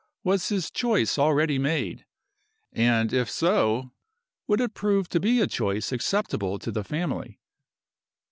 Was his choice already made? And if so, would it prove to be a choice acceptable to the family?